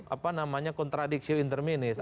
apa namanya kontradiksi intermezzo